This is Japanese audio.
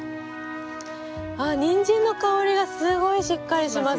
あニンジンの香りがすごいしっかりします。